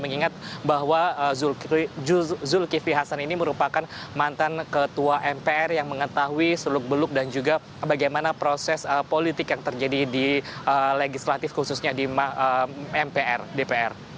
mengingat bahwa zulkifli hasan ini merupakan mantan ketua mpr yang mengetahui seluk beluk dan juga bagaimana proses politik yang terjadi di legislatif khususnya di mpr dpr